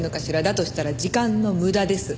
だとしたら時間の無駄です。